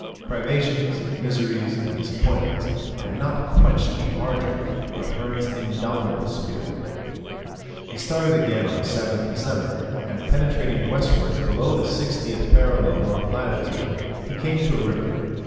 Privations, miseries, and disappointments, had not quenched the ardour of Hearn's indomitable spirit. He started again on the 7th December, and penetrating westwards below the 60th parallel N. lat. he came to a river.